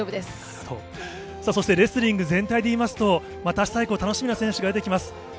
そしてレスリング全体でいいますと、またあした以降楽しみな選手が出てきます。